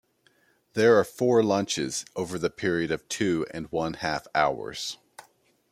There are four lunches, over the period of two and one half hours.